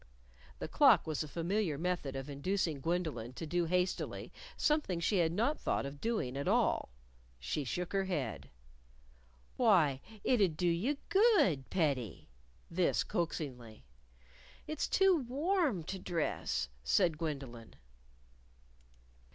The clock was a familiar method of inducing Gwendolyn to do hastily something she had not thought of doing at all. She shook her head. "Why, it'd do you good, pettie," this coaxingly. "It's too warm to dress," said Gwendolyn.